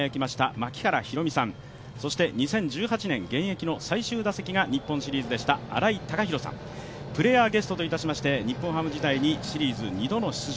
槙原寛己さんそして２０１８年、現役の最終打席が日本シリーズでした新井貴浩さん、プレーヤーゲストといたしまして、日本ハム時代にシリーズ２度の出場